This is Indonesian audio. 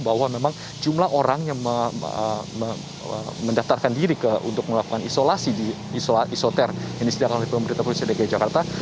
bahwa memang jumlah orang yang mendaftarkan diri untuk melakukan isolasi isoter yang disediakan oleh pemerintah provinsi dki jakarta